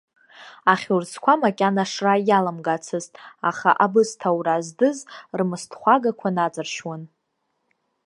Ахьурӡқәа макьана ашра иаламгацызт, аха абысҭа аура здыз, рмысҭхәагақәа наҵыршьуан.